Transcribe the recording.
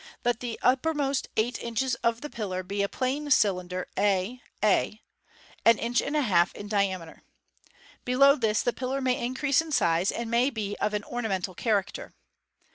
Let the uppermost eight inches of the pillar be a plain cylinder a a, an inch and a half in diameter. Below this the pillar may in crease in size, and may be of an ornamental character.